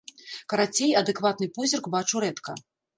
Карацей, адэкватны позірк бачу рэдка.